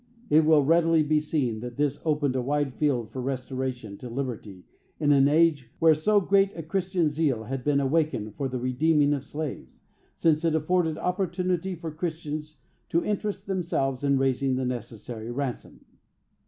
It will readily be seen that this opened a wide field for restoration to liberty in an age where so great a Christian zeal had been awakened for the redeeming of slaves, since it afforded opportunity for Christians to interest themselves in raising the necessary ransom.